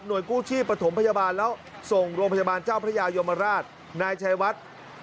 โดยกู้ชีพประถมพยาบาลแล้วส่งโรงพยาบาลเจ้าพระยายมราชนายชัยวัด